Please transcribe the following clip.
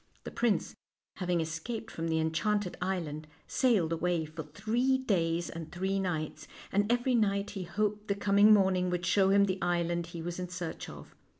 The prince, having escaped from the enchanted island, sailed away for three days and three nights, and every night he hoped the coming morning would show him the island he was in search of.